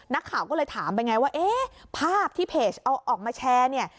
นักข่าวก็เลยถามไปไงว่าเอ๊ะภาพที่เพจเอาออกมาแชร์เนี่ย